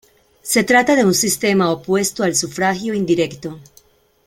Se trata de un sistema opuesto al sufragio indirecto.